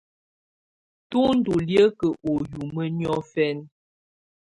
Tɔ ndɔ liǝ́kǝ́ u yumǝ́ niɔfɛna.